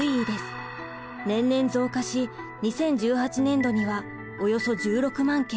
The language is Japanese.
年々増加し２０１８年度にはおよそ１６万件。